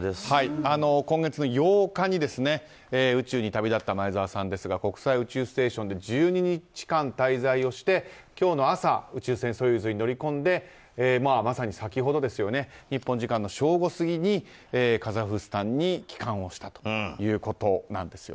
今月の８日に宇宙に旅立った前澤さんですが国際宇宙ステーションで１２日間滞在をして今日の朝宇宙船「ソユーズ」に乗り込んでまさに先ほど日本時間の正午過ぎにカザフスタンに帰還をしたということなんです。